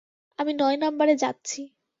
আমি নয় নাম্বারে যাচ্ছি।